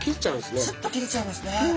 スッと切れちゃいますね。